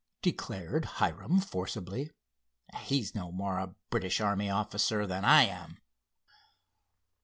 declared Hiram forcibly. "He's no more a British army officer than I am."